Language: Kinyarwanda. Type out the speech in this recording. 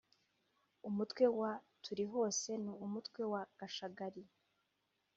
umutwe wa Turihose n’Umutwe wa Gashagari